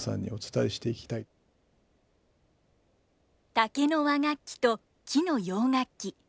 竹の和楽器と木の洋楽器。